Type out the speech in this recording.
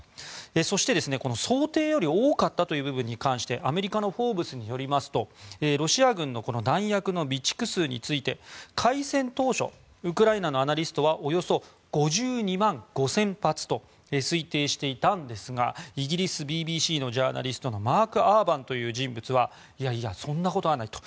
そして、想定より多かったという部分に関してアメリカのフォーブスによりますとロシア軍の弾薬の備蓄数について開戦当初ウクライナのアナリストはおよそ５２万５０００発と推定したんですがイギリスＢＢＣのジャーナリストのマーク・アーバンという人物はいやいや、そんなことはないと。